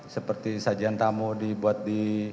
seperti sajian tamu dibuat di